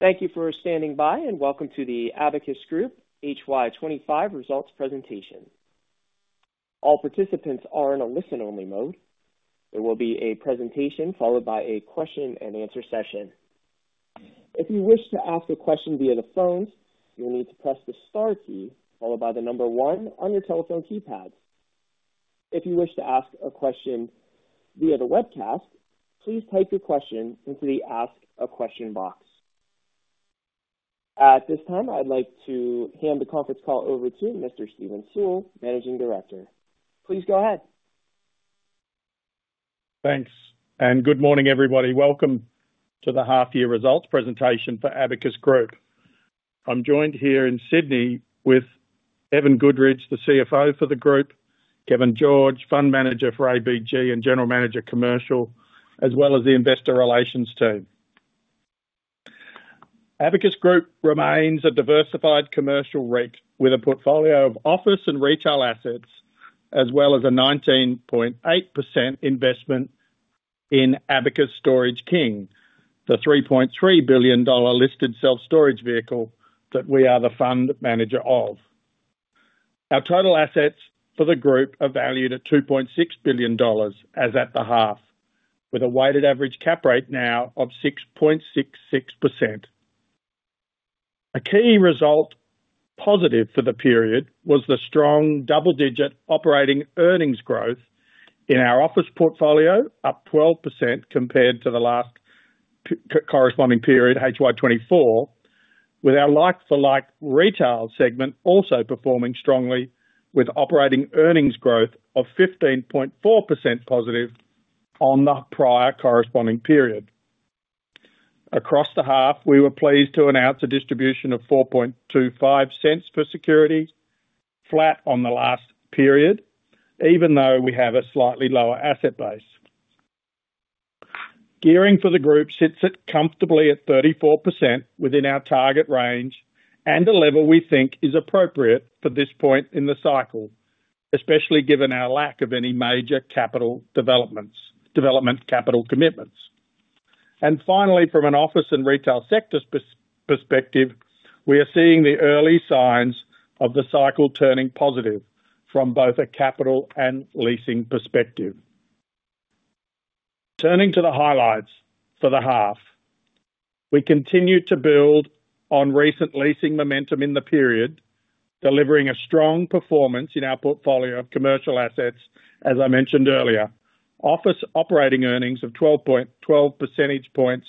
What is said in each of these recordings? Thank you for standing by, and welcome to the Abacus Group HY25 results presentation. All participants are in a listen-only mode. There will be a presentation followed by a question-and-answer session. If you wish to ask a question via the phone, you'll need to press the star key followed by the number one on your telephone keypad. If you wish to ask a question via the webcast, please type your question into the Ask a Question box. At this time, I'd like to hand the conference call over to Mr. Steven Sewell, Managing Director. Please go ahead. Thanks, and good morning, everybody. Welcome to the half-year results presentation for Abacus Group. I'm joined here in Sydney with Evan Goodridge, the CFO for the group, Kevin George, Fund Manager for ABG, and General Manager Commercial, as well as the investor relations team. Abacus Group remains a diversified commercial REIT with a portfolio of office and retail assets, as well as a 19.8% investment in Abacus Storage King, the 3.3 billion dollar listed self-storage vehicle that we are the fund manager of. Our total assets for the group are valued at 2.6 billion dollars as at the half, with a weighted average cap rate now of 6.66%. A key result positive for the period was the strong double-digit operating earnings growth in our office portfolio, up 12% compared to the last corresponding period, HY24, with our like-for-like retail segment also performing strongly, with operating earnings growth of 15.4% positive on the prior corresponding period. Across the half, we were pleased to announce a distribution of 0.0425 per security, flat on the last period, even though we have a slightly lower asset base. Gearing for the group sits comfortably at 34% within our target range and a level we think is appropriate for this point in the cycle, especially given our lack of any major capital development commitments, and finally, from an office and retail sector perspective, we are seeing the early signs of the cycle turning positive from both a capital and leasing perspective. Turning to the highlights for the half, we continue to build on recent leasing momentum in the period, delivering a strong performance in our portfolio of commercial assets, as I mentioned earlier. Office operating earnings of 12 percentage points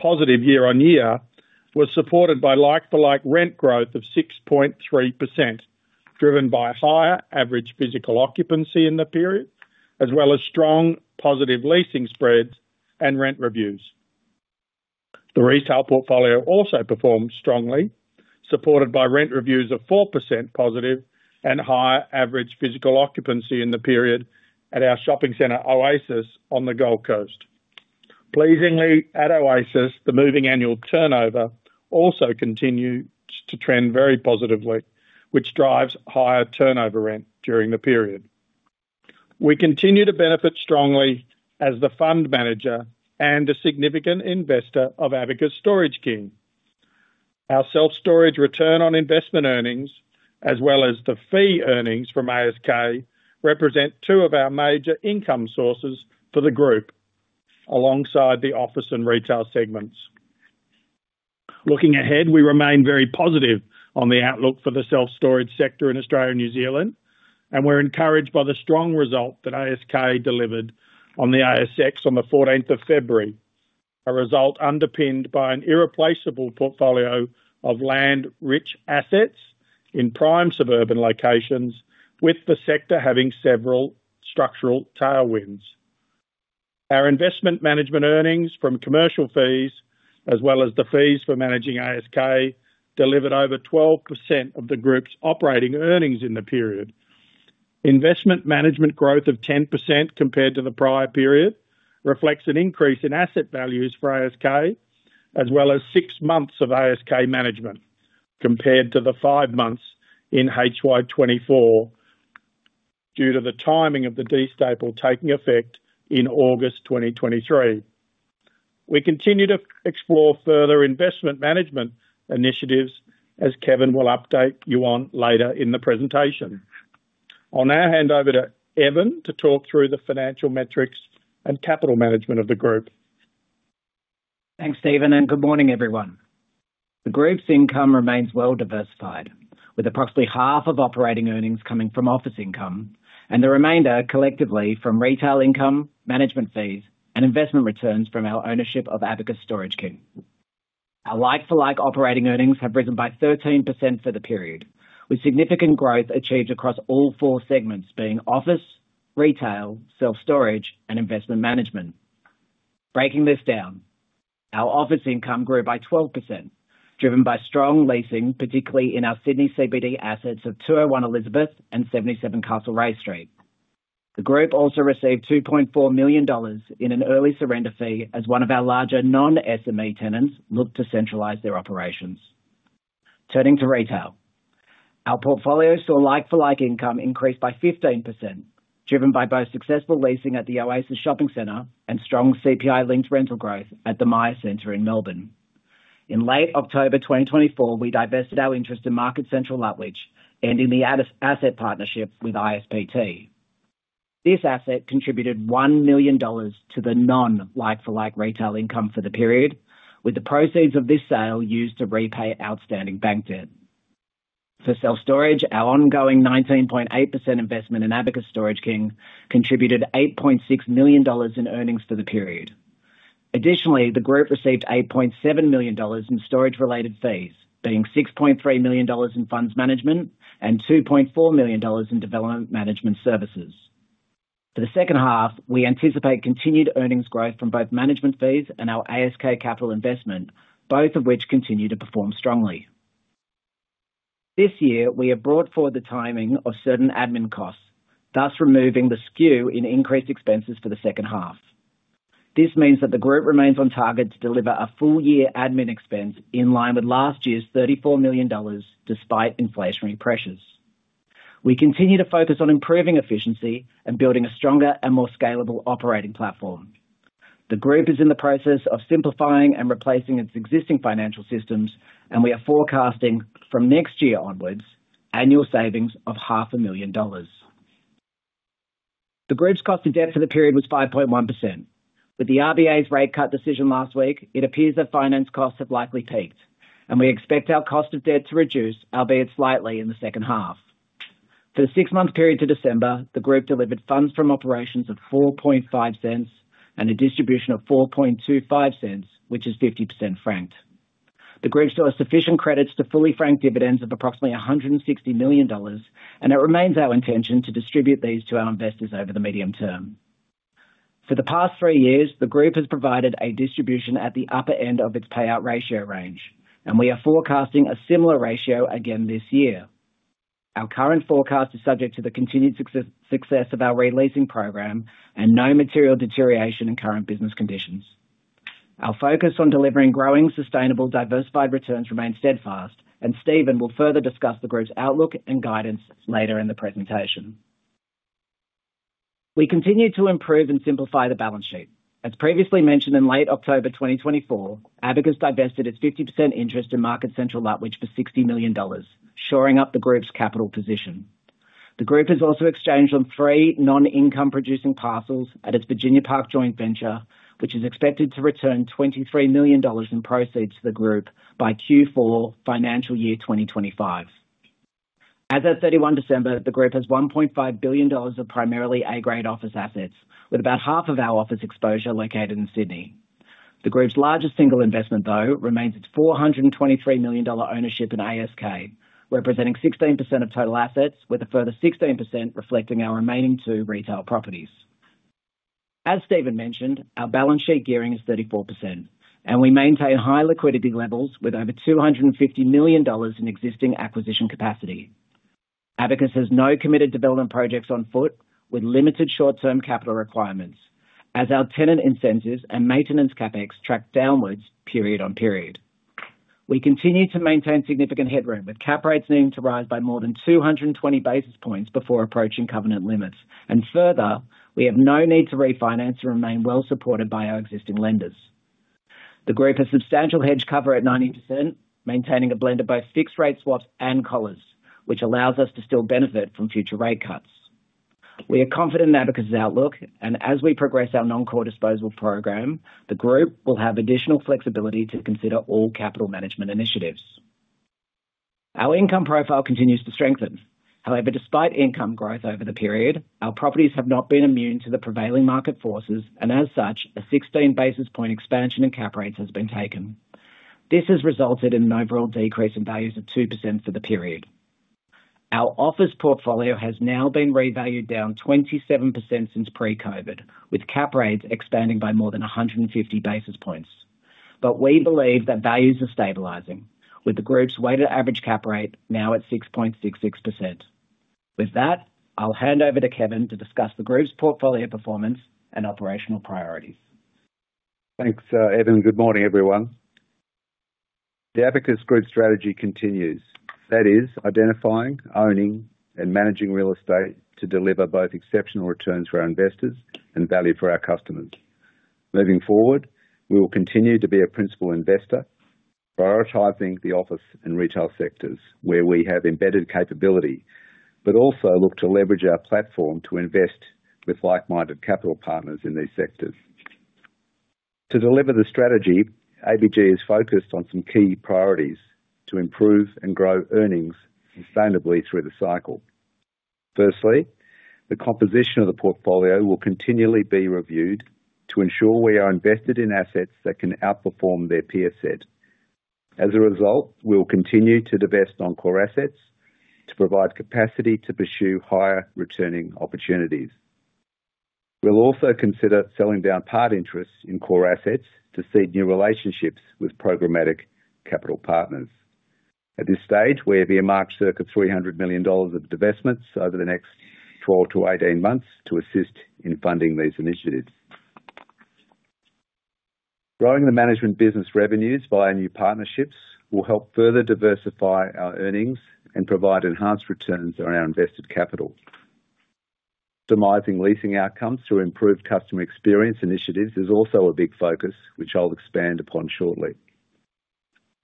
positive year on year were supported by like-for-like rent growth of 6.3%, driven by higher average physical occupancy in the period, as well as strong positive leasing spreads and rent reviews. The retail portfolio also performed strongly, supported by rent reviews of 4% positive and higher average physical occupancy in the period at our shopping center, Oasis, on the Gold Coast. Pleasingly, at Oasis, the moving annual turnover also continues to trend very positively, which drives higher turnover rent during the period. We continue to benefit strongly as the fund manager and a significant investor of Abacus Storage King. Our self-storage return on investment earnings, as well as the fee earnings from ASK, represent two of our major income sources for the group, alongside the office and retail segments. Looking ahead, we remain very positive on the outlook for the self-storage sector in Australia and New Zealand, and we're encouraged by the strong result that ASK delivered on the ASX on the 14th of February, a result underpinned by an irreplaceable portfolio of land-rich assets in prime suburban locations, with the sector having several structural tailwinds. Our investment management earnings from commercial fees, as well as the fees for managing ASK, delivered over 12% of the group's operating earnings in the period. Investment management growth of 10% compared to the prior period reflects an increase in asset values for ASK, as well as six months of ASK management compared to the five months in HY24 due to the timing of the de-stapling taking effect in August 2023. We continue to explore further investment management initiatives, as Kevin will update you on later in the presentation. I'll now hand over to Evan to talk through the financial metrics and capital management of the group. Thanks, Steven, and good morning, everyone. The group's income remains well diversified, with approximately half of operating earnings coming from office income and the remainder collectively from retail income, management fees, and investment returns from our ownership of Abacus Storage King. Our like-for-like operating earnings have risen by 13% for the period, with significant growth achieved across all four segments being office, retail, self-storage, and investment management. Breaking this down, our office income grew by 12%, driven by strong leasing, particularly in our Sydney CBD assets of 201 Elizabeth Street and 77 Castlereagh Street. The group also received 2.4 million dollars in an early surrender fee as one of our larger non-SME tenants looked to centralize their operations. Turning to retail, our portfolio saw like-for-like income increase by 15%, driven by both successful leasing at the Oasis Shopping Centre and strong CPI-linked rental growth at the Myer Bourke Street in Melbourne. In late October 2024, we divested our interest in Market Central Lutwyche, ending the asset partnership with ISPT. This asset contributed 1 million dollars to the non-like-for-like retail income for the period, with the proceeds of this sale used to repay outstanding bank debt. For self-storage, our ongoing 19.8% investment in Abacus Storage King contributed 8.6 million dollars in earnings for the period. Additionally, the group received 8.7 million dollars in storage-related fees, being 6.3 million dollars in funds management and 2.4 million dollars in development management services. For the second half, we anticipate continued earnings growth from both management fees and our ASK capital investment, both of which continue to perform strongly. This year, we have brought forward the timing of certain admin costs, thus removing the skew in increased expenses for the second half. This means that the group remains on target to deliver a full-year admin expense in line with last year's 34 million dollars despite inflationary pressures. We continue to focus on improving efficiency and building a stronger and more scalable operating platform. The group is in the process of simplifying and replacing its existing financial systems, and we are forecasting from next year onwards annual savings of 500,000 dollars. The group's cost of debt for the period was 5.1%. With the RBA's rate cut decision last week, it appears that finance costs have likely peaked, and we expect our cost of debt to reduce, albeit slightly, in the second half. For the six-month period to December, the group delivered funds from operations of 4.5 cents and a distribution of 4.25 cents, which is 50% franked. The group still has sufficient credits to fully frank dividends of approximately 160 million dollars, and it remains our intention to distribute these to our investors over the medium term. For the past three years, the group has provided a distribution at the upper end of its payout ratio range, and we are forecasting a similar ratio again this year. Our current forecast is subject to the continued success of our re-leasing program and no material deterioration in current business conditions. Our focus on delivering growing, sustainable, diversified returns remains steadfast, and Steven will further discuss the group's outlook and guidance later in the presentation. We continue to improve and simplify the balance sheet. As previously mentioned in late October 2024, Abacus divested its 50% interest in Market Central Lutwyche for 60 million dollars, shoring up the group's capital position. The group has also exchanged on three non-income-producing parcels at its Virginia Park Joint Venture, which is expected to return 23 million dollars in proceeds to the group by Q4 financial year 2025. As of 31 December, the group has 1.5 billion dollars of primarily A-grade office assets, with about half of our office exposure located in Sydney. The group's largest single investment, though, remains its 423 million dollar ownership in ASK, representing 16% of total assets, with a further 16% reflecting our remaining two retail properties. As Steven mentioned, our balance sheet gearing is 34%, and we maintain high liquidity levels with over 250 million dollars in existing acquisition capacity. Abacus has no committed development projects on foot, with limited short-term capital requirements, as our tenant incentives and maintenance CapEx track downwards period on period. We continue to maintain significant headroom, with cap rates needing to rise by more than 220 basis points before approaching covenant limits. And further, we have no need to refinance to remain well-supported by our existing lenders. The group has substantial hedge cover at 90%, maintaining a blend of both fixed rate swaps and collars, which allows us to still benefit from future rate cuts. We are confident in Abacus's outlook, and as we progress our non-core disposal program, the group will have additional flexibility to consider all capital management initiatives. Our income profile continues to strengthen. However, despite income growth over the period, our properties have not been immune to the prevailing market forces, and as such, a 16 basis point expansion in cap rates has been taken. This has resulted in an overall decrease in values of 2% for the period. Our office portfolio has now been revalued down 27% since pre-COVID, with cap rates expanding by more than 150 basis points. But we believe that values are stabilizing, with the group's weighted average cap rate now at 6.66%. With that, I'll hand over to Kevin to discuss the group's portfolio performance and operational priorities. Thanks, Evan. Good morning, everyone. The Abacus Group strategy continues. That is, identifying, owning, and managing real estate to deliver both exceptional returns for our investors and value for our customers. Moving forward, we will continue to be a principal investor, prioritizing the office and retail sectors where we have embedded capability, but also look to leverage our platform to invest with like-minded capital partners in these sectors. To deliver the strategy, ABG is focused on some key priorities to improve and grow earnings sustainably through the cycle. Firstly, the composition of the portfolio will continually be reviewed to ensure we are invested in assets that can outperform their peer set. As a result, we will continue to divest non-core assets to provide capacity to pursue higher returning opportunities. We'll also consider selling down part interests in core assets to seed new relationships with programmatic capital partners. At this stage, we have earmarked circa 300 million dollars of divestments over the next 12 to 18 months to assist in funding these initiatives. Growing the management business revenues via new partnerships will help further diversify our earnings and provide enhanced returns on our invested capital. Optimizing leasing outcomes through improved customer experience initiatives is also a big focus, which I'll expand upon shortly.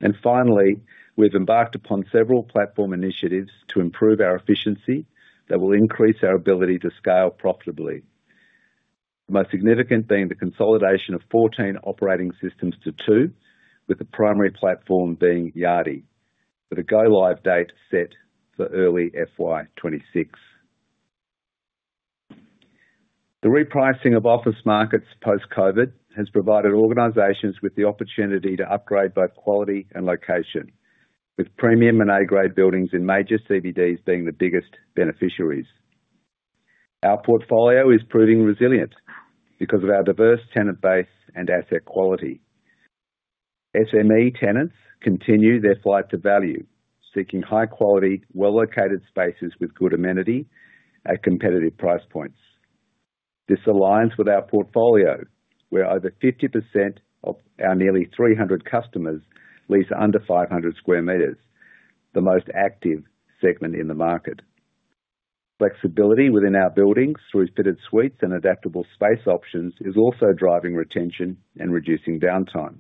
And finally, we've embarked upon several platform initiatives to improve our efficiency that will increase our ability to scale profitably, the most significant being the consolidation of 14 operating systems to two, with the primary platform being Yardi, with a go-live date set for early FY26. The repricing of office markets post-COVID has provided organizations with the opportunity to upgrade both quality and location, with premium and A-grade buildings in major CBDs being the biggest beneficiaries. Our portfolio is proving resilient because of our diverse tenant base and asset quality. SME tenants continue their flight to value, seeking high-quality, well-located spaces with good amenity at competitive price points. This aligns with our portfolio, where over 50% of our nearly 300 customers lease under 500 sq m, the most active segment in the market. Flexibility within our buildings through fitted suites and adaptable space options is also driving retention and reducing downtime.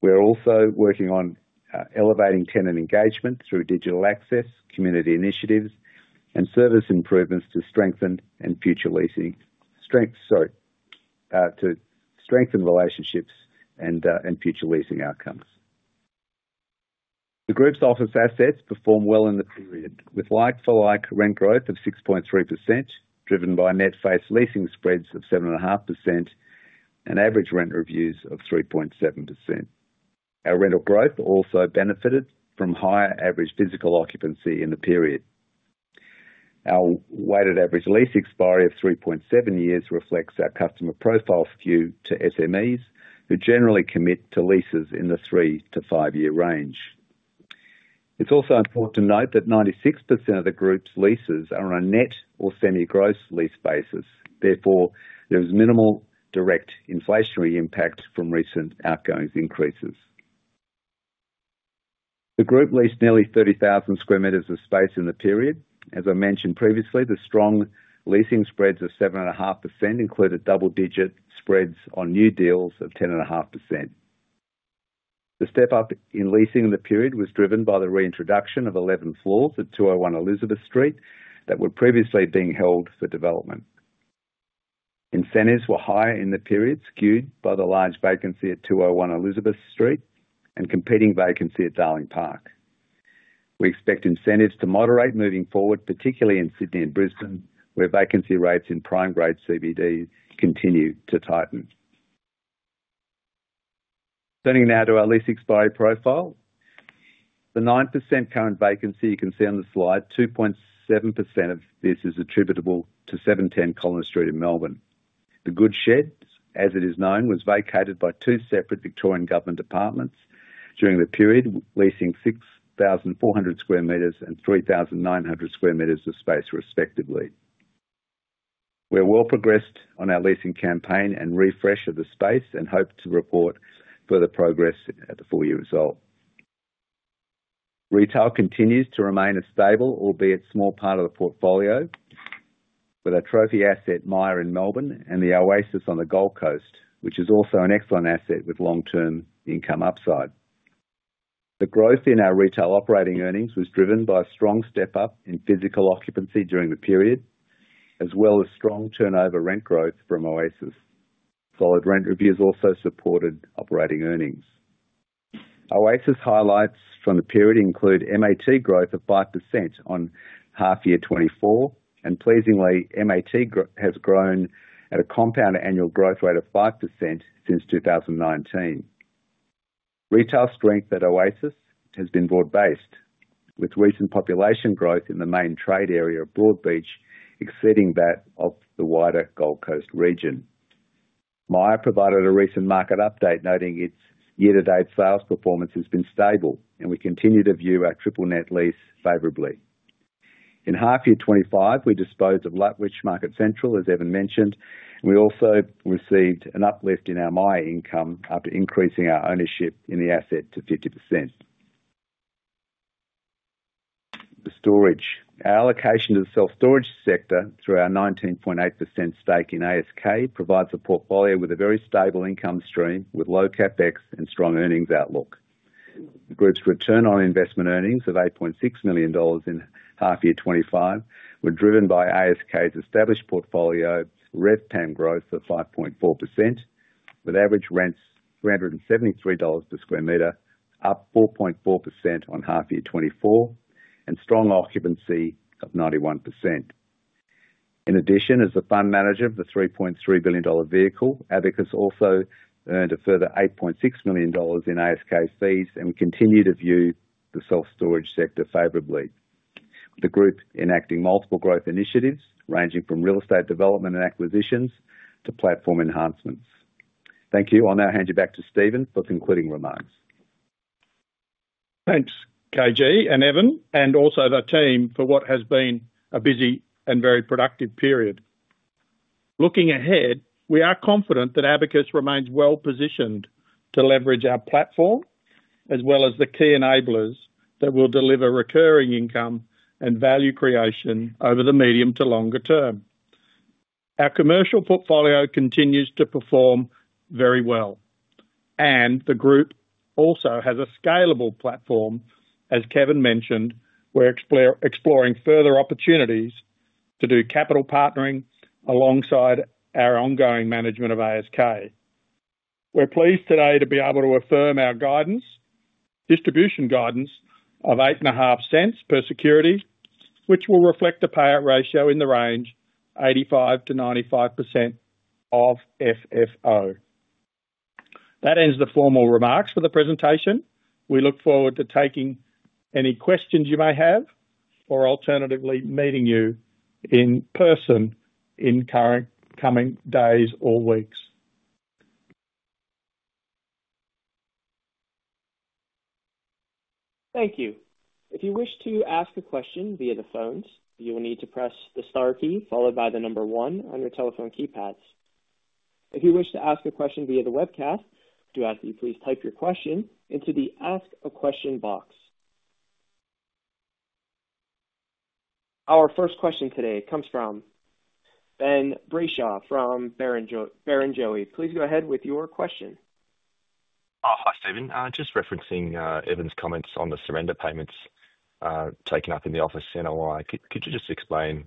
We're also working on elevating tenant engagement through digital access, community initiatives, and service improvements to strengthen relationships and future leasing outcomes. The group's office assets perform well in the period, with like-for-like rent growth of 6.3%, driven by net face leasing spreads of 7.5% and average rent reviews of 3.7%. Our rental growth also benefited from higher average physical occupancy in the period. Our weighted average lease expiry of 3.7 years reflects our customer profile skew to SMEs, who generally commit to leases in the three to five-year range. It's also important to note that 96% of the group's leases are on a net or semi-gross lease basis. Therefore, there is minimal direct inflationary impact from recent outgoings increases. The group leased nearly 30,000 sq m of space in the period. As I mentioned previously, the strong leasing spreads of 7.5% included double-digit spreads on new deals of 10.5%. The step-up in leasing in the period was driven by the reintroduction of 11 floors at 201 Elizabeth Street that were previously being held for development. Incentives were higher in the period, skewed by the large vacancy at 201 Elizabeth Street and competing vacancy at Darling Park. We expect incentives to moderate moving forward, particularly in Sydney and Brisbane, where vacancy rates in prime-grade CBDs continue to tighten. Turning now to our lease expiry profile, the 9% current vacancy you can see on the slide, 2.7% of this is attributable to 710 Collins Street in Melbourne. The Goodshed, as it is known, was vacated by two separate Victorian Government departments during the period, leasing 6,400 square meters and 3,900 square meters of space, respectively. We're well progressed on our leasing campaign and refresh of the space and hope to report further progress at the full-year result. Retail continues to remain a stable, albeit small part of the portfolio, with our trophy asset Myer in Melbourne and the Oasis on the Gold Coast, which is also an excellent asset with long-term income upside. The growth in our retail operating earnings was driven by a strong step-up in physical occupancy during the period, as well as strong turnover rent growth from Oasis. Solid rent reviews also supported operating earnings. Oasis highlights from the period include MAT growth of 5% on half-year 2024, and pleasingly, MAT has grown at a compound annual growth rate of 5% since 2019. Retail strength at Oasis has been broad-based, with recent population growth in the main trade area of Broadbeach exceeding that of the wider Gold Coast region. Myer provided a recent market update, noting its year-to-date sales performance has been stable, and we continue to view our triple-net lease favorably. In half-year 2025, we disposed of Market Central Lutwyche, as Evan mentioned, and we also received an uplift in our Myer income after increasing our ownership in the asset to 50%. The storage, our allocation to the self-storage sector through our 19.8% stake in ASK, provides a portfolio with a very stable income stream with low CapEx and strong earnings outlook. The group's return on investment earnings of 8.6 million dollars in half-year 2025 were driven by ASK's established portfolio RevPAM growth of 5.4%, with average rents 373 dollars per square meter, up 4.4% on half-year 2024, and strong occupancy of 91%. In addition, as the fund manager of the 3.3 billion dollar vehicle, Abacus also earned a further 8.6 million dollars in ASK fees and continued to view the self-storage sector favorably, with the group enacting multiple growth initiatives ranging from real estate development and acquisitions to platform enhancements. Thank you. I'll now hand you back to Steven for concluding remarks. Thanks, KG and Evan, and also the team for what has been a busy and very productive period. Looking ahead, we are confident that Abacus remains well-positioned to leverage our platform as well as the key enablers that will deliver recurring income and value creation over the medium to longer term. Our commercial portfolio continues to perform very well, and the group also has a scalable platform, as Kevin mentioned, we're exploring further opportunities to do capital partnering alongside our ongoing management of ASK. We're pleased today to be able to affirm our distribution guidance of 0.085 per security, which will reflect a payout ratio in the range of 85%-95% of FFO. That ends the formal remarks for the presentation. We look forward to taking any questions you may have or alternatively meeting you in person in coming days or weeks. Thank you. If you wish to ask a question via the phones, you will need to press the star key followed by the number one on your telephone keypads. If you wish to ask a question via the webcast, I do ask that you please type your question into the Ask a Question box. Our first question today comes from Ben Brayshaw from Barrenjoey. Please go ahead with your question. Hi, Steven. Just referencing Evan's comments on the surrender payments taken up in the office in NY, could you just explain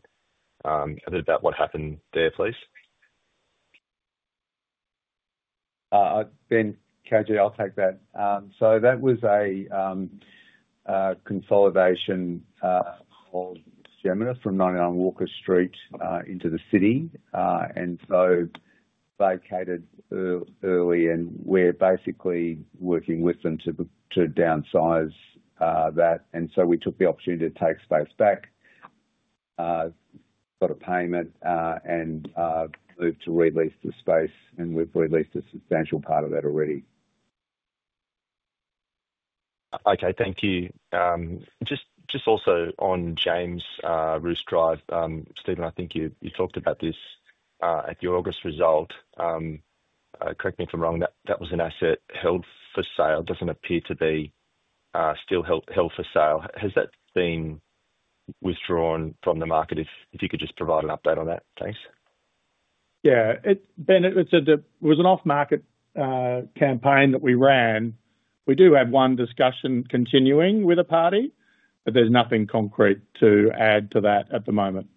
a bit about what happened there, please? Hi Ben. It's K.G., I'll take that, so that was a consolidation of Gemini from 99 Walker Street into the city, and so vacated early, and we're basically working with them to downsize that, and so we took the opportunity to take space back, got a payment, and moved to re-lease the space, and we've re-leased a substantial part of that already. Okay, thank you. Just also on James Ruse Drive, Steven, I think you talked about this at the August result. Correct me if I'm wrong, that was an asset held for sale. It doesn't appear to be still held for sale. Has that been withdrawn from the market? If you could just provide an update on that, thanks. Yeah, Ben, it was an off-market campaign that we ran. We do have one discussion continuing with a party, but there's nothing concrete to add to that at the moment.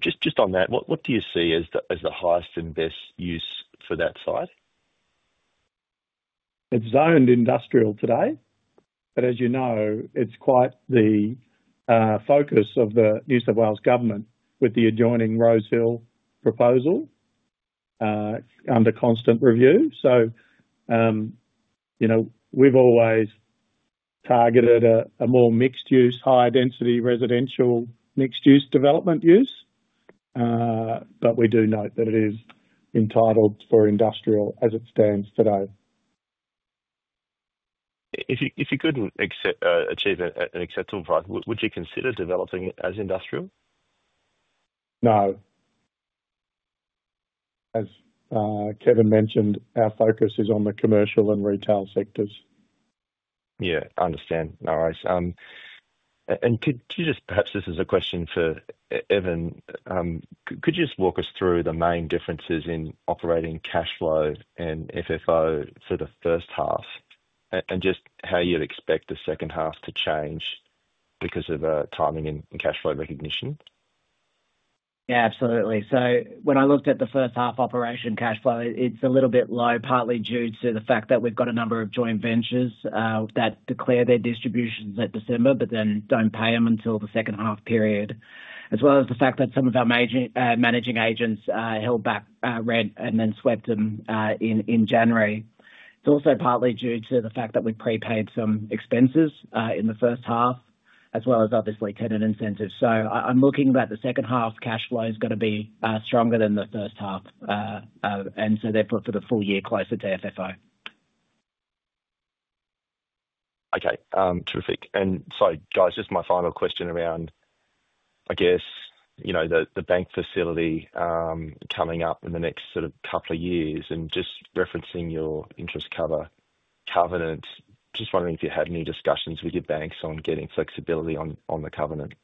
Just on that, what do you see as the highest and best use for that site? It's zoned industrial today, but as you know, it's quite the focus of the New South Wales government with the adjoining Rosehill proposal under constant review, so we've always targeted a more mixed-use, high-density residential mixed-use development use, but we do note that it is entitled for industrial as it stands today. If you could achieve an acceptable price, would you consider developing it as industrial? No. As Kevin mentioned, our focus is on the commercial and retail sectors. Yeah, I understand. No worries, and could you just, perhaps this is a question for Evan, could you just walk us through the main differences in operating cash flow and FFO for the first half and just how you'd expect the second half to change because of timing and cash flow recognition? Yeah, absolutely. So when I looked at the first half operation cash flow, it's a little bit low, partly due to the fact that we've got a number of joint ventures that declare their distributions at December but then don't pay them until the second half period, as well as the fact that some of our managing agents held back rent and then swept them in January. It's also partly due to the fact that we prepaid some expenses in the first half, as well as obviously tenant incentives. So I'm looking that the second half cash flow is going to be stronger than the first half, and so therefore for the full year, closer to FFO. Okay, terrific. And sorry, guys, just my final question around, I guess, the bank facility coming up in the next sort of couple of years and just referencing your interest cover covenant, just wondering if you had any discussions with your banks on getting flexibility on the covenant?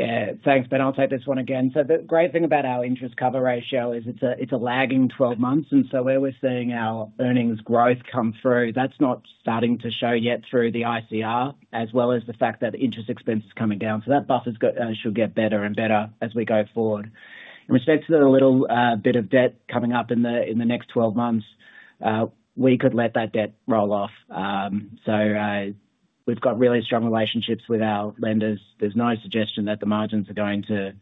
Yeah, thanks, Ben. I'll take this one again. So the great thing about our Interest Cover Ratio is it's a lagging 12 months, and so where we're seeing our earnings growth come through, that's not starting to show yet through the ICR, as well as the fact that interest expense is coming down. So that buffer should get better and better as we go forward. In respect to the little bit of debt coming up in the next 12 months, we could let that debt roll off. So we've got really strong relationships with our lenders. There's no suggestion that the margins are going to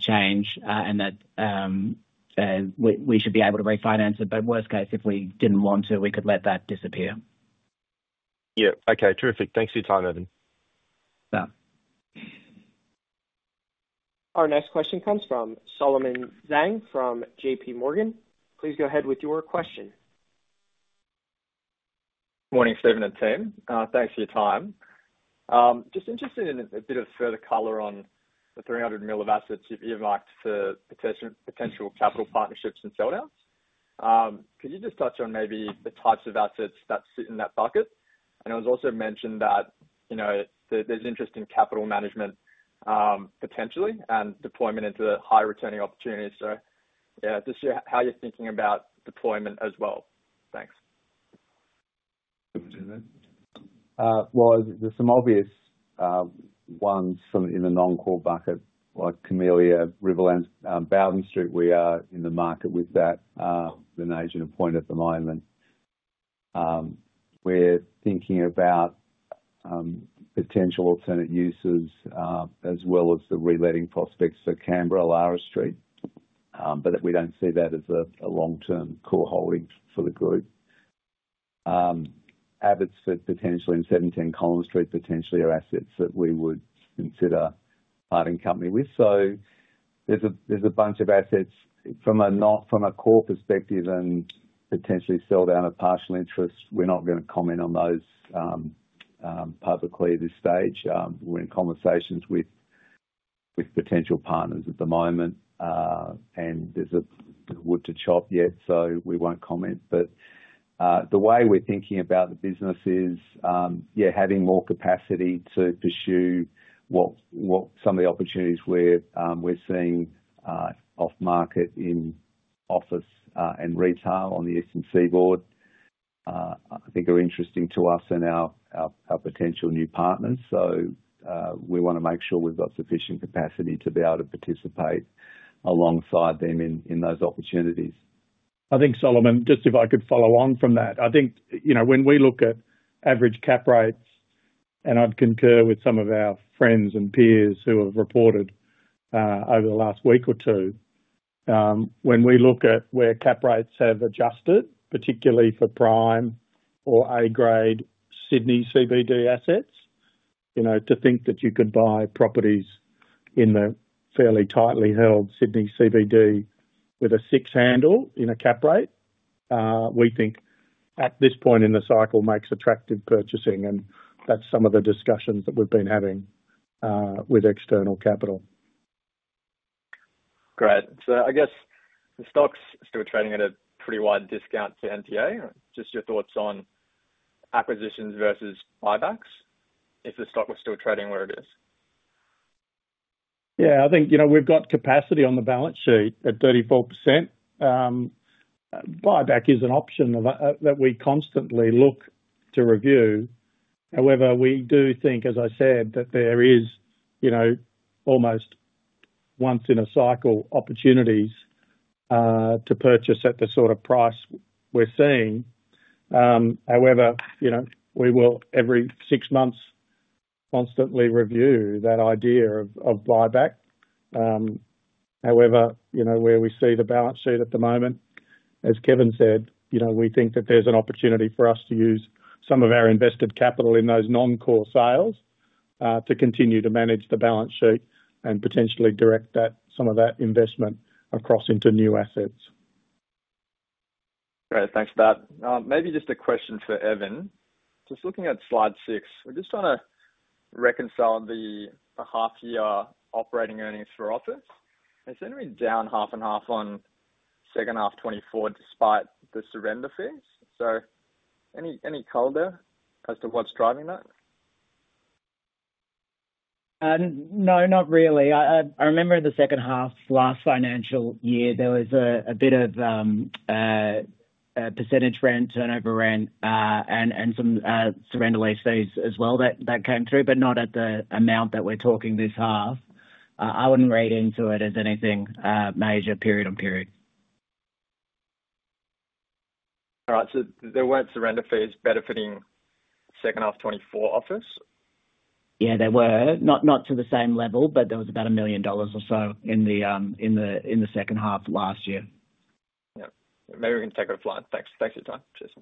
change and that we should be able to refinance it. But worst case, if we didn't want to, we could let that disappear. Yeah, okay, terrific. Thanks for your time, Evan. Thanks. Our next question comes from Solomon Zhang from J.P. Morgan. Please go ahead with your question. Morning, Steven and team. Thanks for your time. Just interested in a bit of further color on the 300 million of assets you've marked for potential capital partnerships and sell-outs. Could you just touch on maybe the types of assets that sit in that bucket? And it was also mentioned that there's interest in capital management potentially and deployment into high-returning opportunities. So yeah, just how you're thinking about deployment as well. Thanks. There's some obvious ones in the non-core bucket, like Camellia, Riverlands, Bowden Street. We are in the market with that, with an agent appointed at the moment. We're thinking about potential alternate uses as well as the reletting prospects for Canberra, Lathlain Street, but we don't see that as a long-term core holding for the group. Abbotsford potentially in 710 Collins Street, potentially are assets that we would consider partnering company with. There's a bunch of assets from a core perspective and potentially sell down a partial interest. We're not going to comment on those publicly at this stage. We're in conversations with potential partners at the moment, and there's wood to chop yet, so we won't comment. But the way we're thinking about the business is, yeah, having more capacity to pursue what some of the opportunities we're seeing off-market in office and retail on the Eastern Seaboard, I think are interesting to us and our potential new partners. So we want to make sure we've got sufficient capacity to be able to participate alongside them in those opportunities. I think, Solomon, just if I could follow on from that, I think when we look at average cap rates, and I'd concur with some of our friends and peers who have reported over the last week or two, when we look at where cap rates have adjusted, particularly for prime or A-grade Sydney CBD assets, to think that you could buy properties in the fairly tightly held Sydney CBD with a six handle in a cap rate, we think at this point in the cycle makes attractive purchasing, and that's some of the discussions that we've been having with external capital. Great. So I guess the stock's still trading at a pretty wide discount to NTA. Just your thoughts on acquisitions versus buybacks if the stock was still trading where it is? Yeah, I think we've got capacity on the balance sheet at 34%. Buyback is an option that we constantly look to review. However, we do think, as I said, that there is almost once in a cycle opportunities to purchase at the sort of price we're seeing. However, we will every six months constantly review that idea of buyback. However, where we see the balance sheet at the moment, as Kevin said, we think that there's an opportunity for us to use some of our invested capital in those non-core sales to continue to manage the balance sheet and potentially direct some of that investment across into new assets. Great. Thanks for that. Maybe just a question for Evan. Just looking at slide six, we're just trying to reconcile the half-year operating earnings for office. It's only down half a percent on second half 2024 despite the surrender fees. So any color as to what's driving that? No, not really. I remember in the second half last financial year, there was a bit of percentage rent, turnover rent, and some surrender lease fees as well that came through, but not at the amount that we're talking this half. I wouldn't read into it as anything major, period on period. All right. So there weren't surrender fees benefiting second half 2024 office? Yeah, there were. Not to the same level, but there was about 1 million dollars or so in the second half last year. Yeah. Maybe we can take it offline. Thanks. Thanks for your time. Cheers.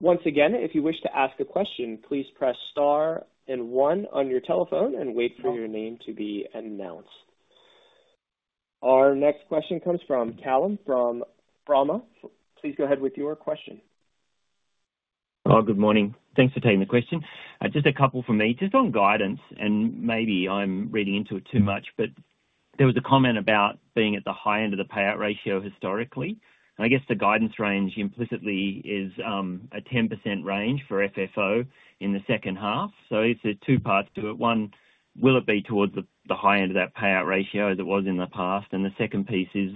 Once again, if you wish to ask a question, please press star and one on your telephone and wait for your name to be announced. Our next question comes from Callum Bramah. Please go ahead with your question. Hi, good morning. Thanks for taking the question. Just a couple for me. Just on guidance, and maybe I'm reading into it too much, but there was a comment about being at the high end of the payout ratio historically. And I guess the guidance range implicitly is a 10% range for FFO in the second half. So it's two parts to it. One, will it be towards the high end of that payout ratio as it was in the past? And the second piece is,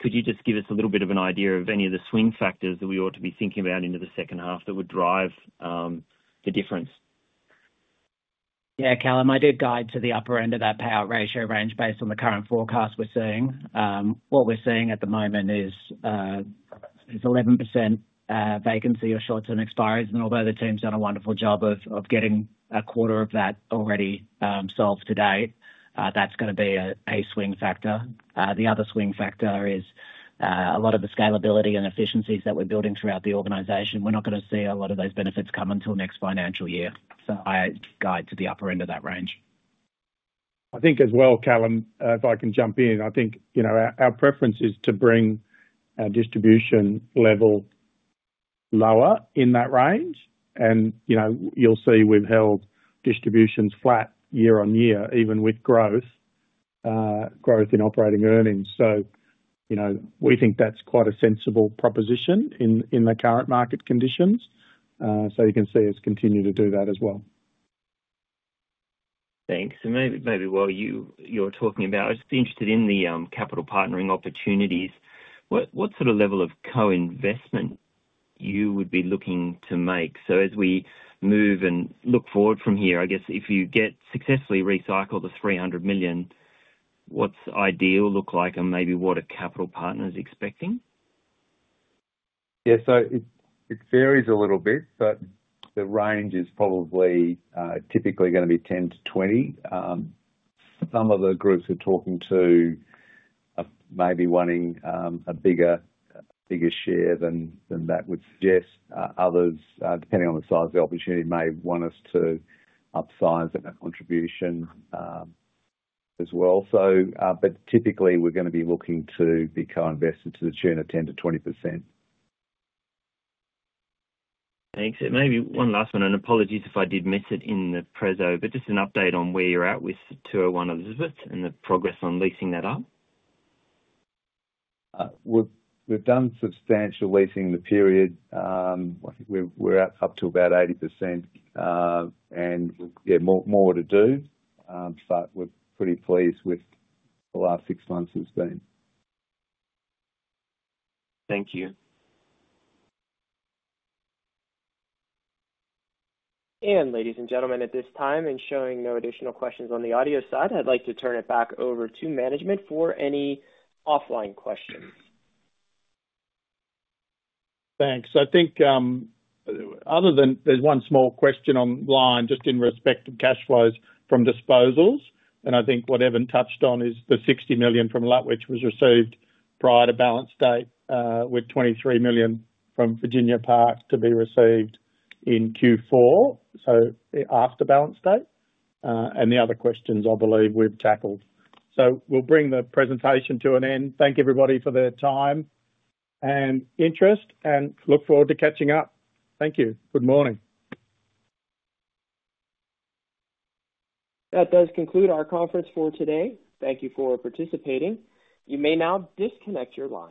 could you just give us a little bit of an idea of any of the swing factors that we ought to be thinking about into the second half that would drive the difference? Yeah, Callum, I did guide to the upper end of that payout ratio range based on the current forecast we're seeing. What we're seeing at the moment is 11% vacancy or short-term expires. And although the team's done a wonderful job of getting a quarter of that already solved to date, that's going to be a swing factor. The other swing factor is a lot of the scalability and efficiencies that we're building throughout the organization. We're not going to see a lot of those benefits come until next financial year. So I guide to the upper end of that range. I think as well, Callum, if I can jump in, I think our preference is to bring our distribution level lower in that range. And you'll see we've held distributions flat year on year, even with growth in operating earnings. So we think that's quite a sensible proposition in the current market conditions. So you can see us continue to do that as well. Thanks. And maybe while you're talking about, I'd just be interested in the capital partnering opportunities. What sort of level of co-investment you would be looking to make? So as we move and look forward from here, I guess if you get successfully recycled the 300 million, what's ideal look like and maybe what are capital partners expecting? Yeah, so it varies a little bit, but the range is probably typically going to be 10%-20%. Some of the groups we're talking to may be wanting a bigger share than that would suggest. Others, depending on the size of the opportunity, may want us to upsize that contribution as well. But typically, we're going to be looking to be co-invested to the tune of 10%-20%. Thanks. Maybe one last one. Apologies if I did miss it in the preso, but just an update on where you're at with 201 Elizabeth and the progress on leasing that up. We've done substantial leasing in the period. We're up to about 80%, and we've got more to do, but we're pretty pleased with the last six months it's been. Thank you. Ladies and gentlemen, at this time, and showing no additional questions on the audio side, I'd like to turn it back over to management for any offline questions. Thanks. I think other than that there's one small question online just in respect of cash flows from disposals. I think what Evan touched on is the 60 million from Lutwyche was received prior to balance date with 23 million from Virginia Park to be received in Q4, so after balance date. The other questions, I believe, we've tackled. We'll bring the presentation to an end. Thank everybody for their time and interest, and look forward to catching up. Thank you. Good morning. That does conclude our conference for today. Thank you for participating. You may now disconnect your lines.